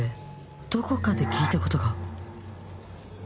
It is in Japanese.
どこかで聞いたことが